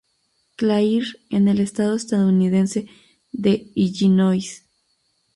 Clair en el estado estadounidense de Illinois.